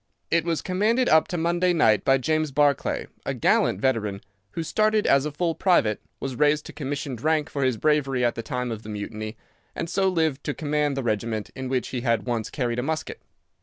It was commanded up to Monday night by James Barclay, a gallant veteran, who started as a full private, was raised to commissioned rank for his bravery at the time of the Mutiny, and so lived to command the regiment in which he had once carried a musket.